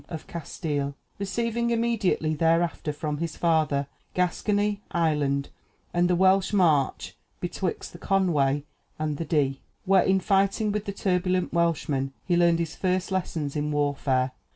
of Castile, receiving immediately thereafter from his father Gascony, Ireland, and the Welsh march betwixt the Conway and the Dee, where, in fighting with the turbulent Welshmen, he learned his first lessons in warfare.